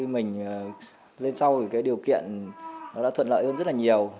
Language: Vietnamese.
mình lên sau thì cái điều kiện nó đã thuận lợi hơn rất là nhiều